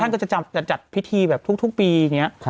ท่านก็จะจัดพิธีแบบทุกปีเนี้ย